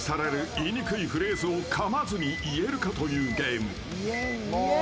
言いにくいフレーズをかまずに言えるかというゲーム。